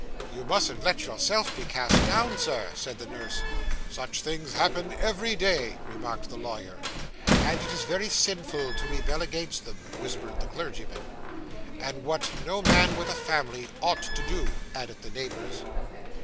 'You mustn't let yourself be cast down, sir,' said the nurse. 'Such things happen every day,' remarked the lawyer. 'And it is very sinful to rebel against them,' whispered the clergyman. 'And what no man with a family ought to do,' added the neighbours.